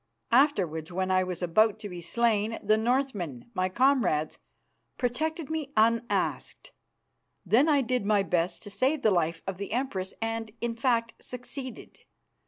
Afterwards, when I was about to be slain, the Northmen, my comrades, protected me unasked; then I did my best to save the life of the Empress, and, in fact, succeeded.